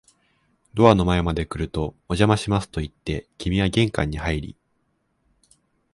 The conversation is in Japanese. ドアの前まで来ると、お邪魔しますと言って、君は玄関に入り、